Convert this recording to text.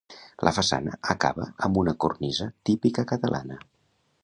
La façana acaba amb una cornisa típica catalana.